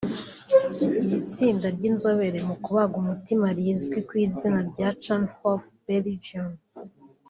Iri tsinda ry’inzobere mu kubaga umutima rizwi ku izina rya Chain Hope Belgium